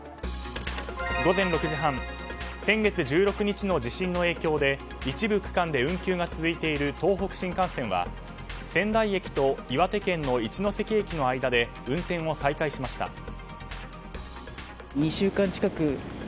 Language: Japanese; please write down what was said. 午前６時半先月１６日の地震の影響で一部区間で運休が続いている東北新幹線は仙台駅と岩手県の一ノ関駅の間で運転を再開しました。